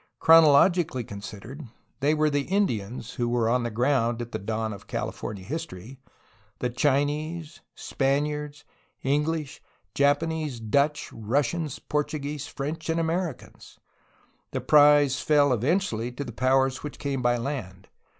Chronologically considered they were the Indians (who were on the ground at the dawn of Cahfornia history), the Chinese, Spaniards, Enghsh, Jap anese, Dutch, Russians, Portuguese, French, and Amer icans. The prize fell eventually to the powers which came by land.